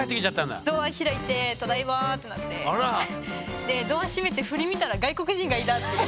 ドア開いて「ただいま」ってなってでドア閉めて振り向いたら外国人がいたっていう。